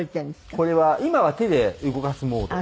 これは今は手で動かすモード。